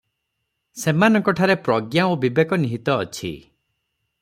ସେମାନଙ୍କଠାରେ ପ୍ରଜ୍ଞା ଓ ବିବେକ ନିହିତ ଅଛି ।